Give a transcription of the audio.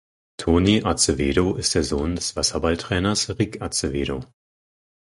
Tony Azevedo ist der Sohn des Wasserballtrainers Rick Azevedo.